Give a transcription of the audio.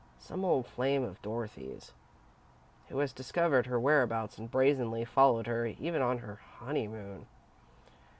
Some old flame of Dorothy's, who has discovered her whereabouts and brazenly followed her, even on her honeymoon."